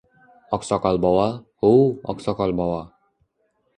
Oqsoqol bovo, huv, Oqsoqol bovo